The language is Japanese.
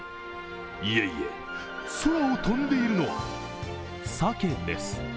いえいえ空を飛んでいるのはさけです。